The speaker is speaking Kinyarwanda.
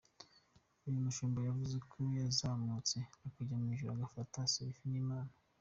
Uyu mushumba yavuze ko yazamutse akajya mu ijuru agafata ‘selfie’ n’Imana.